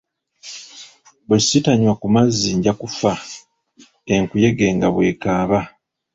Bwe ssitanywa ku mazzi nja kuffa, enkuyege nga bw'ekaaba.